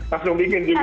langsung bikin juga ya